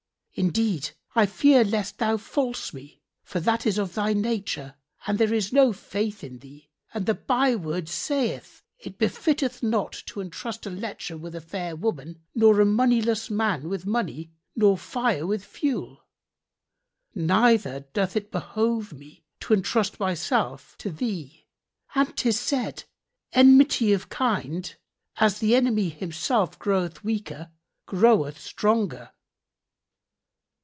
Indeed I fear lest thou false me, for that is of thy nature and there is no faith in thee, and the byword saith, 'It befitteth not to entrust a lecher with a fair woman nor a moneyless man with money nor fire with fuel.' Neither doth it behove me to entrust myself to thee; and 'tis said, 'Enmity of kind, as the enemy himself groweth weaker groweth stronger.'